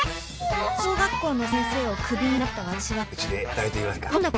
小学校の先生をクビになった私はうちで働いてみませんか？